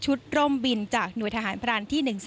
ร่มบินจากหน่วยทหารพรานที่๑๓